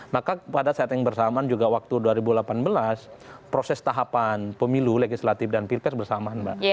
maka pada saat yang bersamaan juga waktu dua ribu delapan belas proses tahapan pemilu legislatif dan pilpres bersamaan mbak